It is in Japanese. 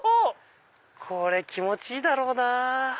これ気持ちいいだろうなぁ。